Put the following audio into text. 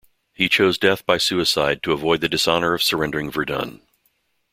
He chose death by suicide to avoid the dishonor of surrendering Verdun.